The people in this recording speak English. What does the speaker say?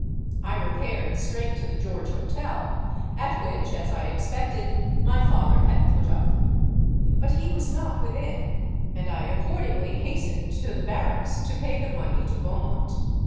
I repaired straight to the George Hotel, at which, as I expected, my father had put up. But he was not within; and I accordingly hastened to the barracks to pay the money to Beaumont.